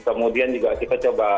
kemudian juga kita coba